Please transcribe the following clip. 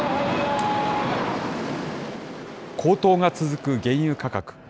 高騰が続く原油価格。